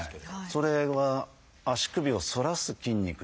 それは足首を反らす筋肉。